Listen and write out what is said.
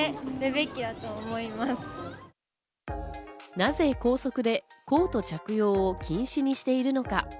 なぜ校則でコート着用を禁止にしているのか。